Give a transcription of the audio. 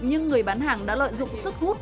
nhưng người bán hàng đã lợi dụng sức hút